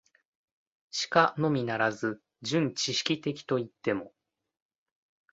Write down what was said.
しかのみならず、純知識的といっても、